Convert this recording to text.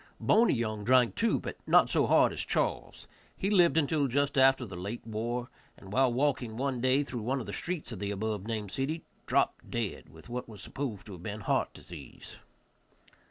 Boney Young drank, too, but not so hard as Charles. He lived until just after the late war, and, while walking one day through one of the streets of the above named city, dropped dead, with what was supposed to have been heart disease.